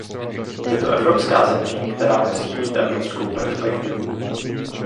Je to evropská země, která musí mít evropskou perspektivu.